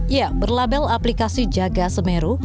ya berlabel aplikasi jaga semeru